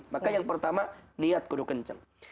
maka yang pertama niat kudu kenceng